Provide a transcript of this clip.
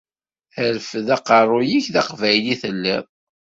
Rfed aqeṛṛu-yik d aqbayli i telliḍ.